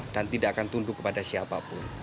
dan tidak akan tunduk kepada siapapun